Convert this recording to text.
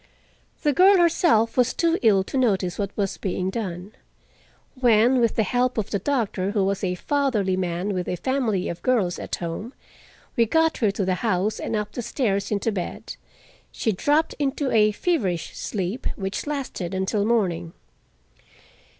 The girl herself was too ill to notice what was being done. When, with the help of the doctor, who was a fatherly man with a family of girls at home, we got her to the house and up the stairs into bed, she dropped into a feverish sleep, which lasted until morning.